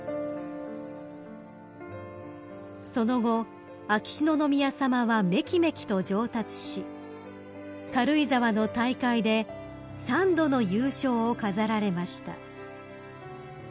［その後秋篠宮さまはめきめきと上達し軽井沢の大会で三度の優勝を飾られました］